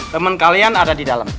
teman kalian ada di dalam